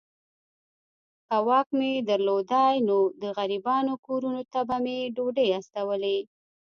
که واک مي درلودای نو د غریبانو کورونو ته به مي ډوډۍ استولې.